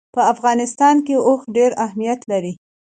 په افغانستان کې اوښ ډېر اهمیت لري.